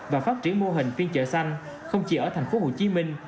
và phát triển mô hình phiên chợ xanh không chỉ ở thành phố hồ chí minh